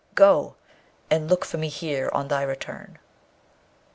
go! and look for me here on thy return.'